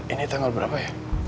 ini tanggal berapa ya